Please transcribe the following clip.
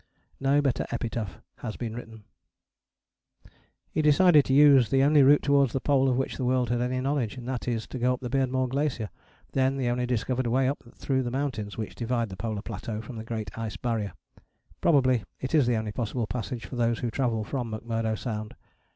No better epitaph has been written. He decided to use the only route towards the Pole of which the world had any knowledge, that is to go up the Beardmore Glacier, then the only discovered way up through the mountains which divide the polar plateau from the Great Ice Barrier: probably it is the only possible passage for those who travel from McMurdo Sound.